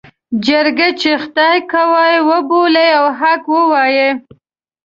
جرګه چې خدای ګواه وبولي او حق ووايي.